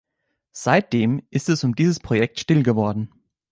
Seitdem ist es um dieses Projekt still geworden.